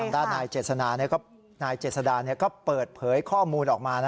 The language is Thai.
ด้านนายเจษดาก็เปิดเผยข้อมูลออกมา